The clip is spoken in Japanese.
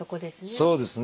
そうですね。